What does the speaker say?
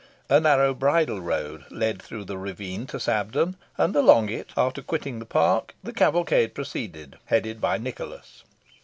A narrow bridle road led through the ravine to Sabden, and along it, after quitting the park, the cavalcade proceeded, headed by Nicholas.